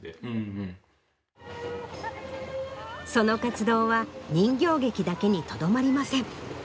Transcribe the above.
その活動は人形劇だけにとどまりません。